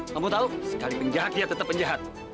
kamu tahu sekali penjahat dia tetap penjahat